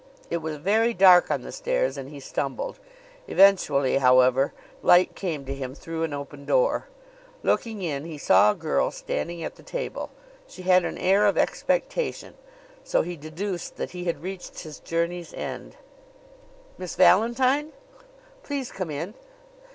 It was very dark on the stairs and he stumbled. Eventually, however, light came to him through an open door. Looking in, he saw a girl standing at the table. She had an air of expectation; so he deduced that he had reached his journey's end. "Miss Valentine?" "Please come in."